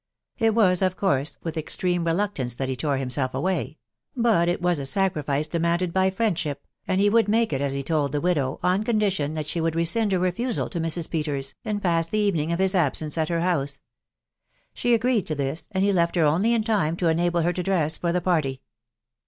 It was, of course, with extreme reluctance that he tore himself away ; but .it was a sacrifice demanded by friendship, and he would make it, as he told the widow, on condition that she would rescind her refusal to Jbf r£. Peters, and pass the evening of his absence at her house. She agreed to this, and he left her only in time to enable her to dress for the party.